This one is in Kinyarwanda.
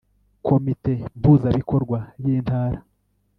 Komite Mpuzabikorwa y Intara